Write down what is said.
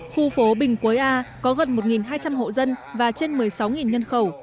khu phố bình cối a có gần một hai trăm linh hộ dân và trên một mươi sáu nhân khẩu